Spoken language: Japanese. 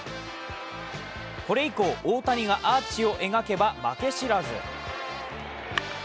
これ以降、大谷がアーチを描けば負け知らず。